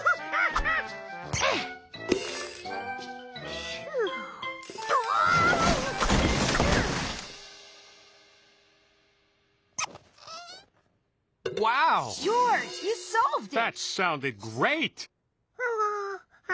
ハワハハ。